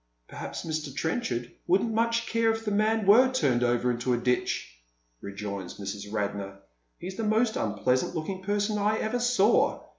" Perhaps Mr. Trenchard wouldn't much care if the man wero turned over into a ditch," rejoins Mrs. Radnor. " He's the most unpleasant looking person I ever saw.